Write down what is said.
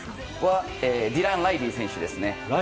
ディラン・ライリー選手です。